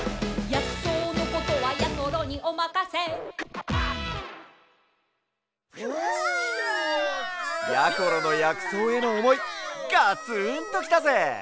やころのやくそうへのおもいガツンときたぜ！